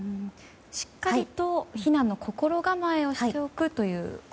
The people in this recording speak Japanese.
しっかりと避難の心構えをしておくと。